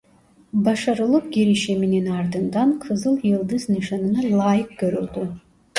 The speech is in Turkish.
Başarılı girişiminin ardından Kızıl Yıldız Nişanı'na layık görüldü.